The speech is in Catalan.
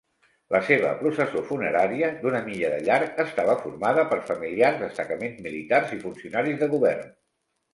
La seva processó funerària, d'una milla de llarg, estava formada per familiars, destacaments militars i funcionaris de govern.